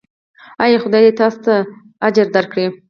ایا خدای دې تاسو ته اجر درکړي؟